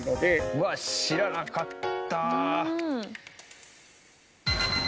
うわっ知らなかった！